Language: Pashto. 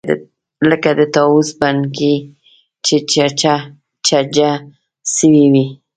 لکه د طاووس بڼکې چې چجه سوې وي.